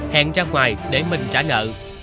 hẹn ra ngoài để minh trả nợ